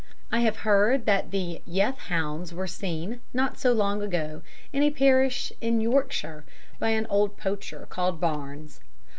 I have heard that the "Yeth Hounds" were seen, not so long ago, in a parish in Yorkshire by an old poacher called Barnes.